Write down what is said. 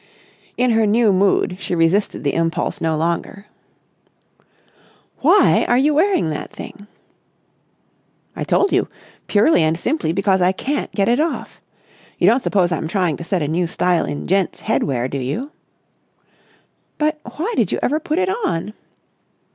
In her new mood she resisted the impulse no longer. "Why are you wearing that thing?" "I told you. Purely and simply because I can't get it off. You don't suppose I'm trying to set a new style in gents' head wear, do you?" "But why did you ever put it on?"